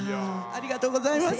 ありがとうございます。